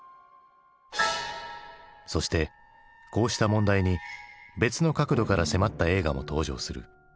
そしてこうした問題に別の角度から迫った映画も登場する。